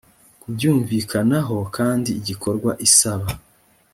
kubyumvikanaho kandi igikorwa isaba